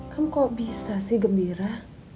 kan kok bisa sih gembira